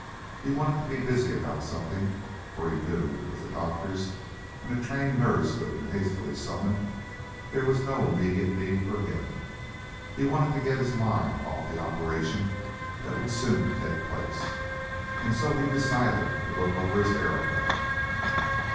He wanted to be busy about something, for he knew, with the doctors, and a trained nurse who had been hastily summoned, there was no immediate need for him. He wanted to get his mind off the operation that would soon take place, and so he decided to look over his aeroplane.